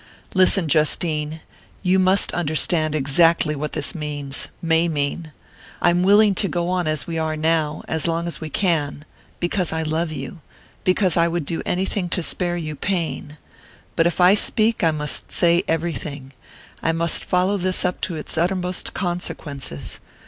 "Listen, Justine. You must understand exactly what this means may mean. I am willing to go on as we are now...as long as we can...because I love you...because I would do anything to spare you pain. But if I speak I must say everything I must follow this thing up to its uttermost consequences.